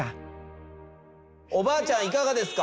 おばあちゃんいかがですか？